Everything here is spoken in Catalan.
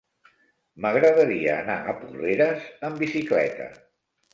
M'agradaria anar a Porreres amb bicicleta.